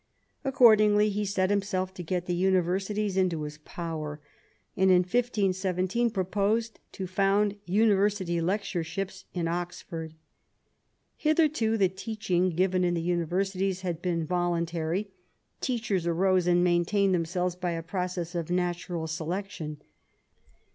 Ac cordingly he set himself to get the universities into his power, and in 1517 proposed to found university lecture ships in Oxford. Hitherto the teaching given in the imiversities had been voluntary; teachers arose and maintained themselves by a process of natural selection.